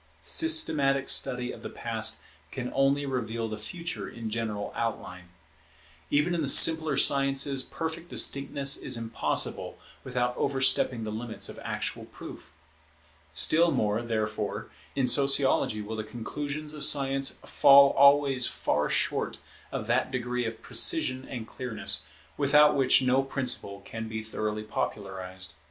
Systematic study of the Past can only reveal the Future in general outline. Even in the simpler sciences perfect distinctness is impossible without overstepping the limits of actual proof. Still more, therefore, in Sociology will the conclusions of Science fall always far short of that degree of precision and clearness, without which no principle can be thoroughly popularized.